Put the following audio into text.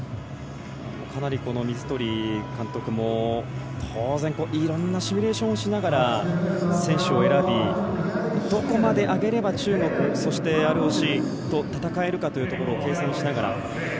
水鳥監督も当然、いろんなシミュレーションをしながら選手を選びどこまで上げれば中国、ＲＯＣと戦えるかということを計算しながら。